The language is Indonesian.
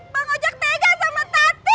bang ojek tega sama tati